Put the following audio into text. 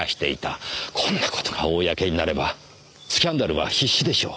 こんな事が公になればスキャンダルは必至でしょう。